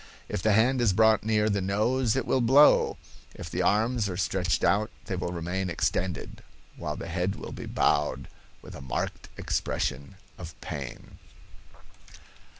If the hand is brought near the nose it will blow; if the arms are stretched out they will remain extended, while the head will be bowed with a marked expression of pain."